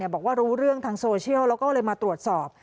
บอกว่ารู้เรื่องทางโซเชียลแล้วก็เลยมาตรวจสอบ